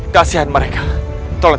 kasihan mereka tolong